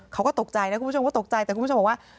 เขาก็ตกใจนะคุณผู้ชมก็ตกใจแต่คุณผู้ชมบอกว่า